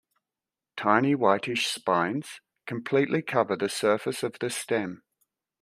Tiny whitish spines completely cover the surface of the stem.